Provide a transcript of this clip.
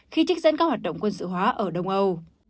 khi trích dẫn các hoạt động quân sự hóa ở đông âu